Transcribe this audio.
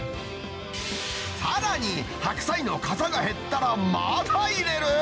さらに白菜のかさが減ったらまだ入れる？